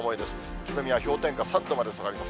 宇都宮は氷点下３度まで下がります。